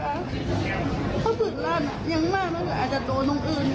พอปืนลั่นอ่ะยังมากอาจจะโดนตรงอื่น